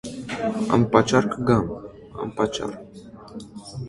- Անպատճառ կգամ, անպատճառ…